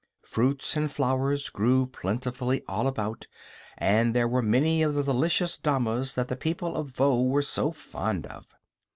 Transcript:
Fruits and flowers grew plentifully all about, and there were many of the delicious damas that the people of Voe were so fond of.